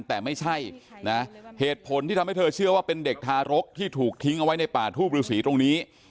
แต่ไม่ใช่นะเหตุผลที่ทำให้เธอเชื่อว่าเป็นเด็กทารกที่ถูกทิ้งเอาไว้ในป่าทูบฤษีตรงนี้